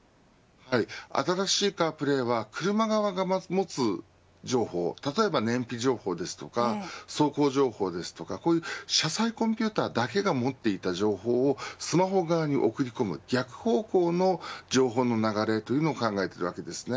新しいカープレーは車側が持つ情報、例えば燃費情報ですとか走行情報ですとか車載コンピューターだけが持っていた情報をスマホ側に送り込む、逆方向の情報の流れというのを考えているわけです。